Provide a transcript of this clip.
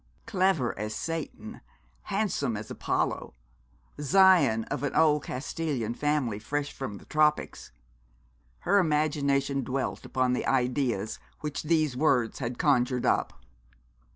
Clever as Satan, handsome as Apollo, scion of an old Castilian family, fresh from the tropics. Her imagination dwelt upon the ideas which these words had conjured up.